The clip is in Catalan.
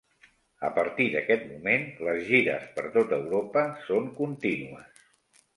A partir d'aquest moment, les gires per tot Europa són contínues.